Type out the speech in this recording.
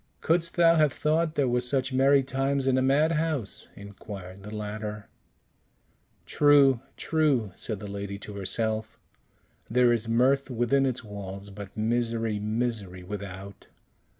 "Couldst thou have thought there were such merry times in a madhouse?" inquired the latter. "True, true," said the lady to herself; "there is mirth within its walls, but misery, misery without."